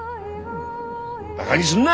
バガにすんな！